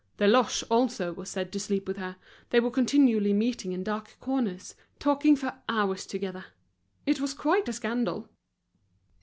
Deloche also was said to sleep with her, they were continually meeting in dark corners, talking for hours together. It was quite a scandal!